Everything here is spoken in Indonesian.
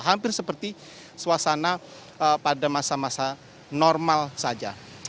hampir seperti suasana pada masa masa normal saja